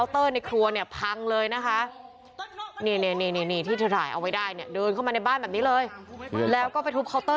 ต้องเห็นหน้ากร